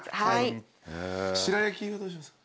白焼はどうします？